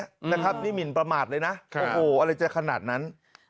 นะครับนี่หมินประมาทเลยนะโอ้โหอะไรจะขนาดนั้น